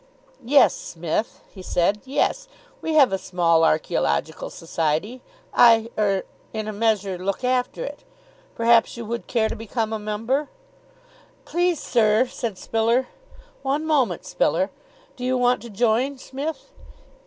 "Yes, Smith." he said. "Yes. We have a small Archaeological Society. I er in a measure look after it. Perhaps you would care to become a member?" "Please, sir " said Spiller. "One moment, Spiller. Do you want to join, Smith?"